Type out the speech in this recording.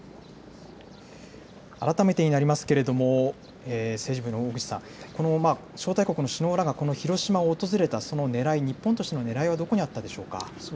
改めてになりますけれども政治部の小口さん、この招待国の首脳らがこの広島を訪れたそのねらい、日本としてのねらいはどこにあったでしょうか。